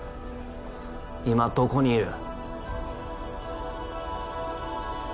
今どこにいる？